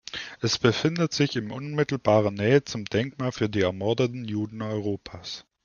Es befindet sich in unmittelbarer Nähe zum Denkmal für die ermordeten Juden Europas.